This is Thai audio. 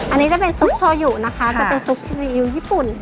อันนี้จะเป็นซุปโชยุนะคะจะเป็นซุปชินียูญี่ปุ่น